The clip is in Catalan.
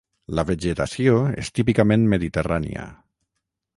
La vegetació és típicament mediterrània.